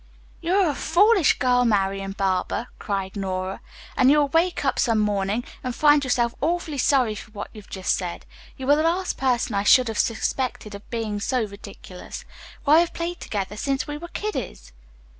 "You are a foolish girl, Marian Barber," cried Nora, "and you'll wake up some morning and find yourself awfully sorry for what you've just said. You are the last person I should have suspected of being so ridiculous. Why we've all played together since we were kiddies."